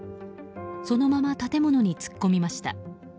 そのまま建物に突っ込みました。